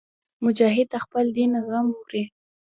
مجاهد د خپل دین غم خوري.